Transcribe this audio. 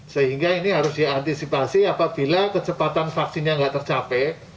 sehingga ini harus diantisipasi apabila kecepatan vaksinnya nggak tercapai